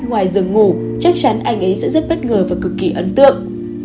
ngoài giường ngủ chắc chắn anh ấy sẽ rất bất ngờ và cực kỳ ấn tượng